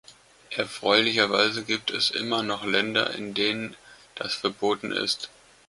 Erfreulicherweise gibt es immer noch Länder, in denen das verboten ist.